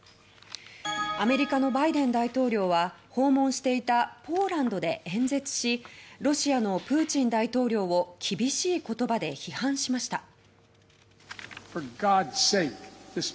アメリカのバイデン大統領は訪問していたポーランドで演説しロシアのプーチン大統領を厳しい言葉で批判しました。